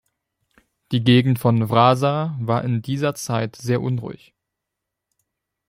Die Gegend von Wraza war in dieser Zeit sehr unruhig.